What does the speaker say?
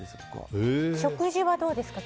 食事はどうですか？